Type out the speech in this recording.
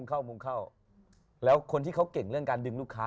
แล้วคนที่เขาเก่งเรื่องดึงลูกค้า